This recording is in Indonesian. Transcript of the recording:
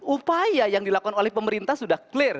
upaya yang dilakukan oleh pemerintah sudah clear